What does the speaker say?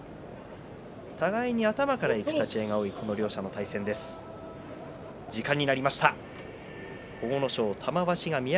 互いに頭からいく立ち合いが多いこの２人。